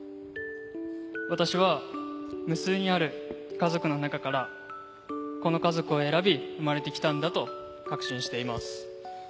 私は無数にある家族の中から、この家族を選び、生まれてきたんだと確信しています。